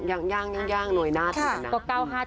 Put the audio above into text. หนังอย่างย่างหน่อยหน้าถึงหนัง